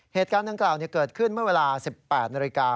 เหตุการณ์ดังกล่าวเกิดขึ้นเมื่อเวลา๑๘นาฬิกา